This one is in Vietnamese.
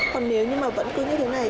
còn nếu như mà vẫn cứ như thế này